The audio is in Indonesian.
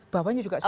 bawahnya juga sama